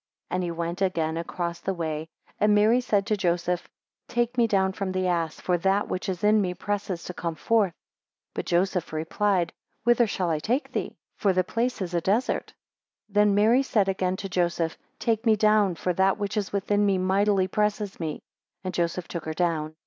10 And he went again across the way, and Mary said to Joseph, Take me down from the ass, for that which is in me presses to come forth. 11 But Joseph replied, Whither shall I take thee? for the place is a desert. 12 Then said Mary again to Joseph, take me down, for that which is within me mightily presses me. 13 And Joseph took her down.